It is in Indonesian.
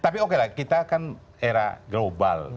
tapi oke lah kita kan era global